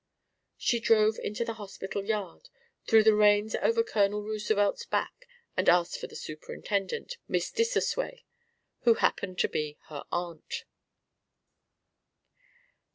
She drove into the hospital yard, threw the reins over Colonel Roosevelt's back and asked for the superintendent, Mrs. Dissosway, who happened to be her aunt.